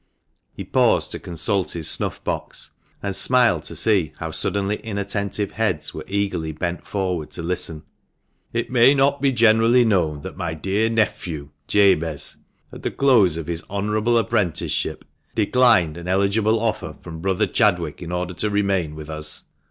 He paused to consult his snuff box, and smiled to see how suddenly inattentive heads were eagerly bent forward to listen. " It may not be generally known that my dear nephew Jabez, at the close of his honourable apprenticeship, declined an eligible offer from brother Chadwick, in order to remain with us."